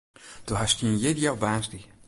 Do hast dyn jierdei op woansdei.